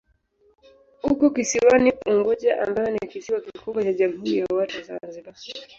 Uko kisiwani Unguja ambayo ni kisiwa kikubwa cha Jamhuri ya Watu wa Zanzibar.